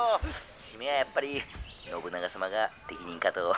締めはやっぱり信長様が適任かと」。